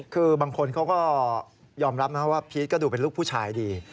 คือบางคนเขาก็ยอมรับนะว่าพีชก็ดูเป็นลูกผู้ชายดี